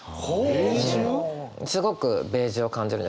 すごくベージュを感じるんです。